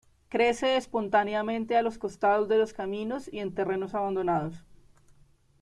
Crece espontáneamente a los costados de los caminos y en terrenos abandonados.